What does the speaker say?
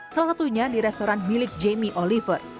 salah satunya di restoran milik jamie oliver